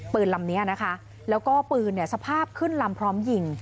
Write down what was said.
ลำนี้นะคะแล้วก็ปืนเนี่ยสภาพขึ้นลำพร้อมยิง